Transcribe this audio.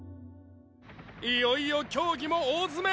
いよいよ競技も大詰め。